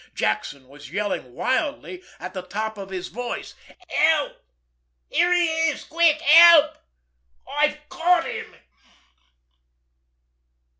Jackson was yelling wildly at the top of his voice. "Help! Here he is! Quick! Help! I've caught him!"